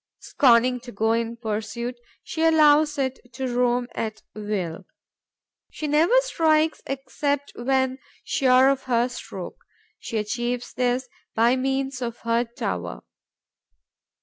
Scorning to go in pursuit, she allows it to roam at will. She never strikes except when sure of her stroke. She achieves this by means of her tower.